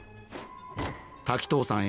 滝藤さん